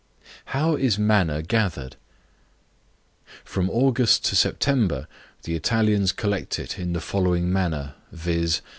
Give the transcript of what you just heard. How is Manna gathered? From August to September, the Italians collect it in the following manner, _viz.